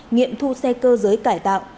nghiệm thu xe cơ giới cải tạo